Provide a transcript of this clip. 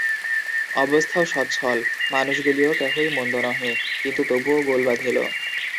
অবস্থাও সচ্ছল, মানুষগুলিও কেহই মন্দ নহে, কিন্তু তবুও গোল বাধিল।